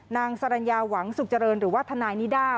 นางสรรญาหวังสุขเจริญหรือว่าทนายนิด้า